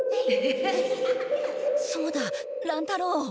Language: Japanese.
そうだ乱太郎。